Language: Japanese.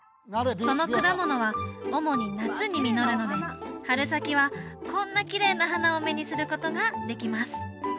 その果物は主に夏に実るので春先はこんなきれいな花を目にすることができます